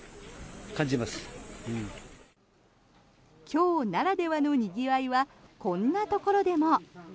今日ならではのにぎわいはこんなところでも。